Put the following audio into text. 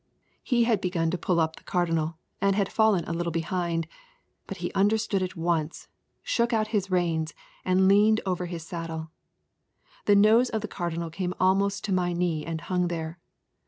He had begun to pull up the Cardinal and had fallen a little behind, but he understood at once, shook out his reins, and leaned over in his saddle. The nose of the Cardinal came almost to my knee and hung there.